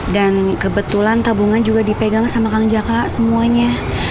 dan kebetulan tabungan juga dipegang sama kang jaka semuanya